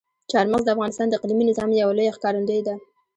چار مغز د افغانستان د اقلیمي نظام یوه لویه ښکارندوی ده.